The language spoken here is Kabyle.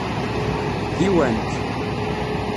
Diwan-t.